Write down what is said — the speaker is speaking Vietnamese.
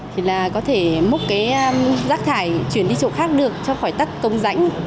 thì là có thể múc cái rác thải chuyển đi chỗ khác được cho khỏi tắt công rãnh